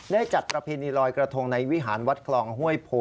จัดประเพณีลอยกระทงในวิหารวัดคลองห้วยโพ